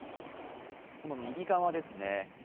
この右側ですね。